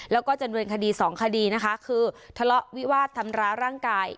แล้วก็จำนวนคดีสองคดีนะคะคือทะเลาะวิวาสทำร้ายร่างกาย